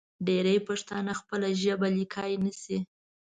ډېری پښتانه خپله ژبه لیکلی نشي.